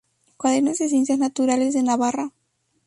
Cuadernos de Ciencias Naturales de Navarra.